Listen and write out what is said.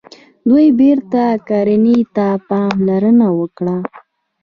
دوی بیرته کرنې ته پاملرنه وکړه.